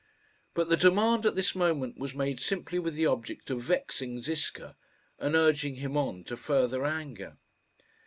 But the demand at this moment was made simply with the object of vexing Ziska, and urging him on to further anger.